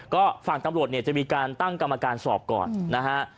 ก็ฝั่งตำรวจเนี่ยจะมีการตั้งกรรมการสอบก่อนนะฮะ